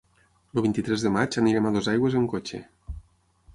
El vint-i-tres de maig anirem a Dosaigües amb cotxe.